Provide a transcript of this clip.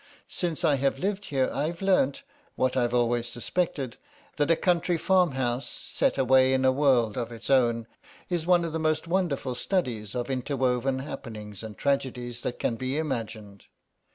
Since I have lived here I've learnt, what I've always suspected, that a country farmhouse, set away in a world of its own, is one of the most wonderful studies of interwoven happenings and tragedies that can be imagined.